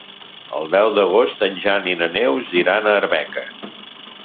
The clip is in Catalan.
El deu d'agost en Jan i na Neus iran a Arbeca.